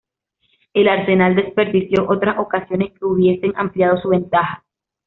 El Arsenal desperdició otras ocasiones que hubiesen ampliado su ventaja.